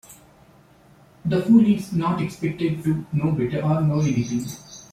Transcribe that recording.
The fool is not expected to "know better" or "know" anything.